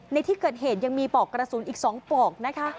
ในที่เกิดเหตุยังมีปอกกระสุนอีก๒ปอกนะคะ